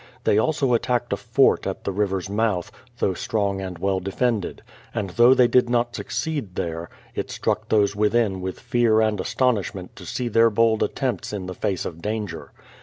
They also attacked a fort at the river's mouth, though strong and well defended ; and though they did not succeed there, it struck those within with fear and astonishment to see their bold attempts in the face of danger.